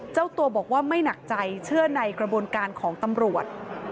เจ้าตัวบอกว่าไม่หนักใจเชื่อในกระบวนการของตำรวจ